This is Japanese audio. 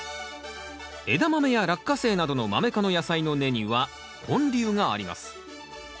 エダマメやラッカセイなどのマメ科の野菜の根には根粒があります。